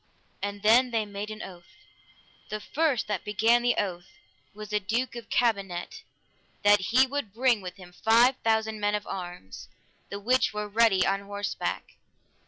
And then they made an oath. The first that began the oath was the Duke of Cambenet, that he would bring with him five thousand men of arms, the which were ready on horseback.